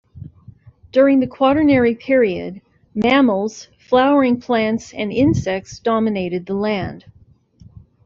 During the Quaternary Period, mammals, flowering plants, and insects dominated the land.